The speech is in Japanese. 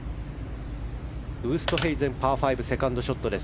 ウーストヘイゼン、パー５セカンドショットです。